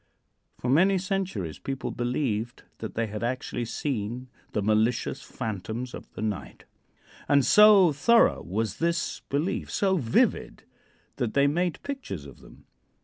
For many centuries people believed that they had actually seen the malicious phantoms of the night, and so thorough was this belief so vivid that they made pictures of them.